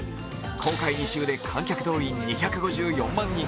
公開２週で観客動員２５４万人。